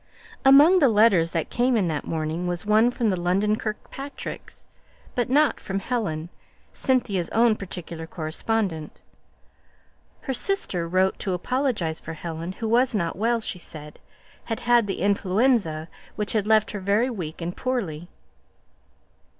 Among the letters that came in that morning was one from the London Kirkpatricks; but not from Helen, Cynthia's own particular correspondent. Her sister wrote to apologize for Helen, who was not well, she said: had had the influenza, which had left her very weak and poorly.